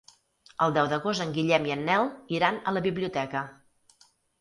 El deu d'agost en Guillem i en Nel iran a la biblioteca.